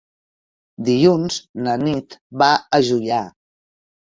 Dilluns na Nit va a Juià.